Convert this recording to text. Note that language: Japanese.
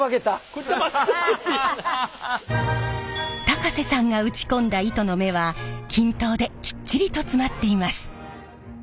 高瀬さんが打ち込んだ糸の目は均等できっちりと詰まっています。